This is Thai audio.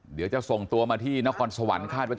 เดี๋ยวจะส่งตัวมาถ้าเห็นแรงไต้เลยนโครนสวรรค์